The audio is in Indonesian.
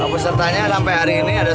pesertanya sampai hari ini ada